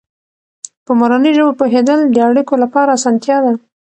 په مورنۍ ژبه پوهېدل د اړیکو لپاره اسانتیا ده.